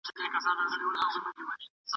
ټولنیز مهارتونه د ژوند په پرمختګ کي مرسته کوي.